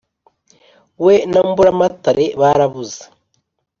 We na Mburamatare barabuze